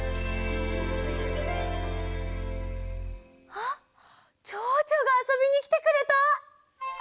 あっちょうちょうがあそびにきてくれた！